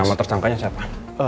nama tersangkanya siapa